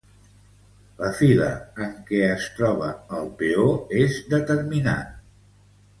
La fila en què es troba el peó és determinant.